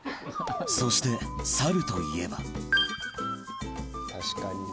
そしてサルといえば確かにね。